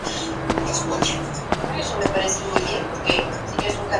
La compañía ha grabado la producción musical completa de Jean Sibelius.